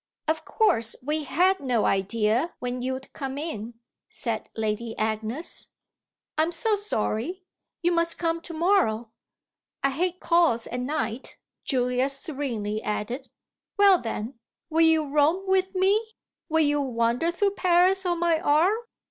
"Of course we had no idea when you'd come in," said Lady Agnes. "I'm so sorry. You must come to morrow. I hate calls at night," Julia serenely added. "Well then, will you roam with me? Will you wander through Paris on my arm?"